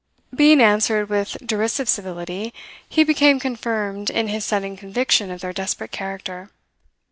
Being answered with derisive civility, he became confirmed in his sudden conviction of their desperate character.